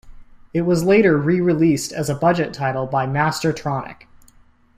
It was later rereleased as a budget title by Mastertronic.